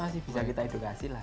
masih bisa kita edukasi lah